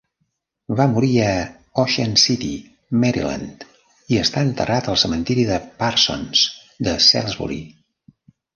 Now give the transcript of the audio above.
Va morir a Ocean City, Maryland, i està enterrat al cementiri de Parsons, de Salisbury.